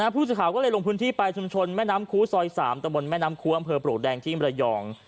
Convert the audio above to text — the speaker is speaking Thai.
ผู้สื่อข่าวก็เลยลงพื้นที่ไปชุมชนแม่น้ำคู้ซอย๓ตะบนแม่น้ำคูอำเภอปลวกแดงที่มรยอง